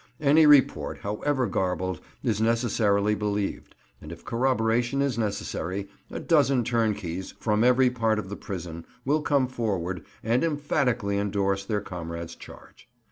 Any report, however garbled, is necessarily believed; and if corroboration is necessary, a dozen turnkeys, from every part of the prison, will come forward, and emphatically endorse their comrade's charge.